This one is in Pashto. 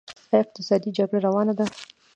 آیا اقتصادي جګړه روانه ده؟